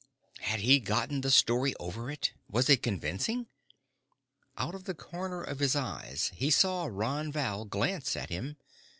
Had he gotten the story over it? Was it convincing? Out of the corner of his eyes he saw Ron Val glance at him.